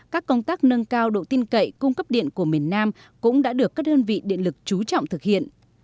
các công tác nâng cao độ tin cậy cung cấp điện của miền nam cũng đã được các đơn vị điện lực trú trọng thực hiện